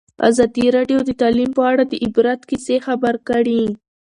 ازادي راډیو د تعلیم په اړه د عبرت کیسې خبر کړي.